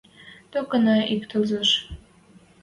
— Токына ик тӹлзеш